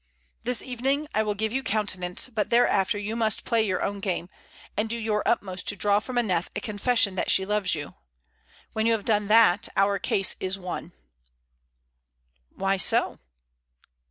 This evening I will give you countenance, but thereafter you must play your own game, and do your utmost to draw from Aneth a confession that she loves you. When you have done that, our case is won." "Why so?"